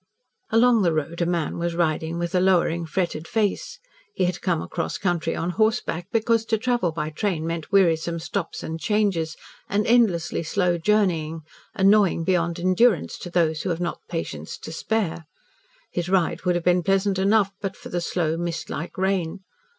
Along the road a man was riding with a lowering, fretted face. He had come across country on horseback, because to travel by train meant wearisome stops and changes and endlessly slow journeying, annoying beyond endurance to those who have not patience to spare. His ride would have been pleasant enough but for the slow mist like rain.